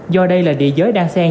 do đây là địa giới đang sen